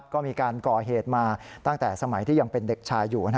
ก็มีการก่อเหตุมาตั้งแต่สมัยที่ยังเป็นเด็กชายอยู่